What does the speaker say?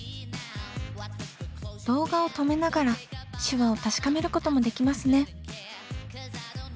動画を止めながら手話を確かめることもできますね。